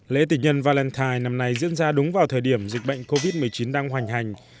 lễ tịch nhân valentine năm nay diễn ra đúng vào thời điểm dịch bệnh covid một mươi chín đang hoành hành